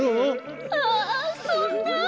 ああそんな。